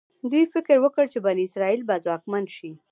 دوی فکر وکړ چې بني اسرایل به ځواکمن شي.